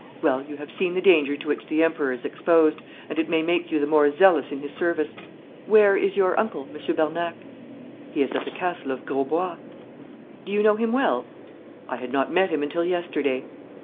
Well, you have seen the danger to which the Emperor is exposed, and it may make you the more zealous in his service. Where is your uncle, Monsieur Bernac?' 'He is at the Castle of Grosbois.' 'Do you know him well?' 'I had not seen him until yesterday.'